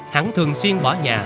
hắn thường xuyên bỏ nhà